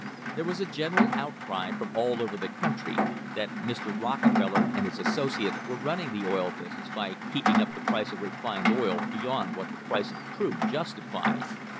There was a gen eral outcry from all over the country that Mr. Rockefeller and his associates were running the oil business by keeping up the price of refined oil beyond what the price of crude justified.